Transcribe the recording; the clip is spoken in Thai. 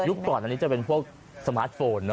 ก่อนอันนี้จะเป็นพวกสมาร์ทโฟน